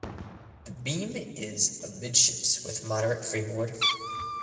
The beam is amidships with moderate freeboard.